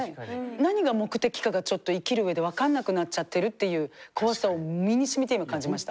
何が目的かがちょっと生きる上で分かんなくなっちゃってるっていう怖さを身にしみて今感じました。